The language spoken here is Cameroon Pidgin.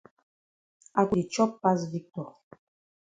Ako di chop pass Victor.